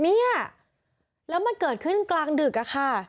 เนี่ยแล้วมันเกิดขึ้นกลางดึกอะค่ะ